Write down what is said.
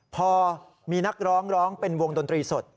พอมีนักร้องร้องเป็นวงดนตรีสด